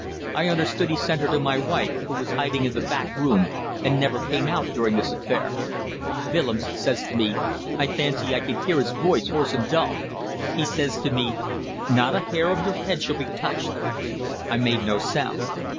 I understood he sent her to my wife, who was hiding in the back room and never came out during this affair. Willems says to me I fancy I can hear his voice, hoarse and dull he says to me: 'Not a hair of your head shall be touched.' I made no sound.